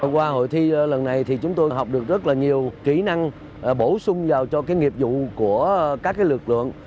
qua hội thi lần này chúng tôi học được rất nhiều kỹ năng bổ sung vào nghiệp vụ của các lực lượng